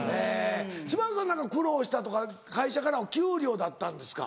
島津さん何か苦労したとか会社から給料だったんですか？